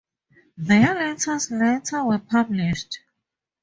Their letters later were published.